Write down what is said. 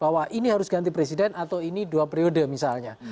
bahwa ini harus ganti presiden atau ini dua periode misalnya